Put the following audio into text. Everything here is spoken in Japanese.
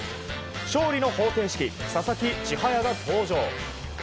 勝利の方程式、佐々木千隼が登場。